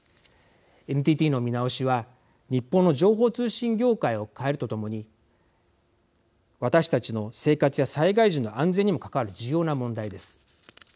ＮＴＴの見直しは日本の情報通信業界を変えるとともに私たちの生活や災害時の安全にも関わる重要な問題です。